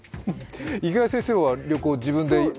池谷先生は旅行、自分で取ったり？